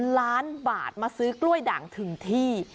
ล้านบาทมาซื้อกล้วยด่างถึงที่